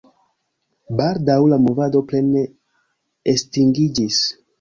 Baldaŭ la movado plene estingiĝis.